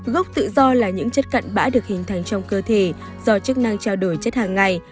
gốc tự do là những chất cận bã được hình thành trong cơ thể do chức năng trao đổi chất hàng ngày